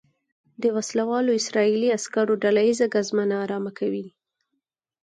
د وسلوالو اسرائیلي عسکرو ډله ییزه ګزمه نا ارامه کوي.